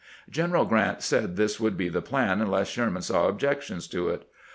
General Grant said this would be the plan unless Sherman saw objections to it.